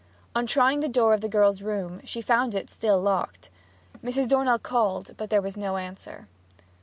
On trying the door of the girl's room, she found it still locked. Mrs. Dornell called, but there was no answer.